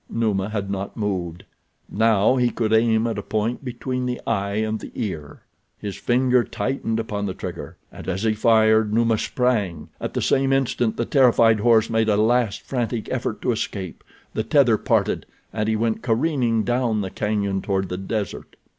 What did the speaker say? Numa had not moved. Now he could aim at a point between the eye and the ear. His finger tightened upon the trigger, and as he fired Numa sprang. At the same instant the terrified horse made a last frantic effort to escape—the tether parted, and he went careening down the cañon toward the desert.